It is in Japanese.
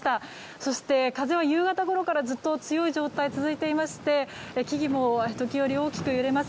そして、風は夕方ごろからずっと強い状態が続いていまして木々も時折大きく揺れます。